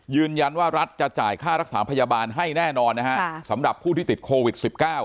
รัฐจะจ่ายค่ารักษาพยาบาลให้แน่นอนนะฮะสำหรับผู้ที่ติดโควิด๑๙